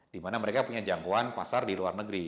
dimana mereka punya jangkauan pasar di luar negeri